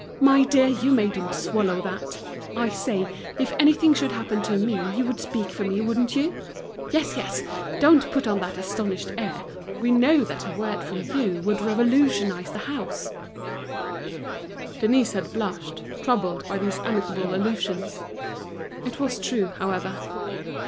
"My dear, you made him swallow that! I say, if anything should happen to me, you would speak for me, wouldn't you! Yes, yes, don't put on that astonished air, we know that a word from you would revolutionize the house." And she ran off to her counter. Denise had blushed, troubled by these amicable allusions. It was true, however.